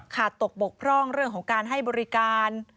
ตกบกพร่องเรื่องของการให้บริการ